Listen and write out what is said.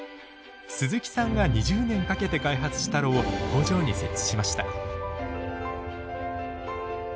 鈴木さんが２０年かけて開発した炉を工場に設置しました。